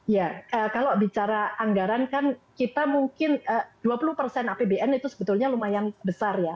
ya kalau bicara anggaran kan kita mungkin dua puluh persen apbn itu sebetulnya lumayan besar ya